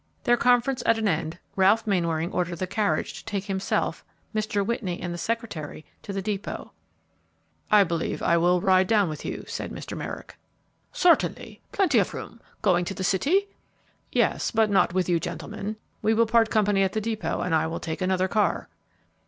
Their conference at an end, Ralph Mainwaring ordered the carriage to take himself, Mr. Whitney, and the secretary to the depot. "I believe I will ride down with you," said Mr. Merrick. "Certainly; plenty of room. Going to the city?" "Yes; but not with you gentlemen. We will part company at the depot and I will take another car."